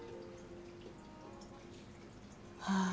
ああ！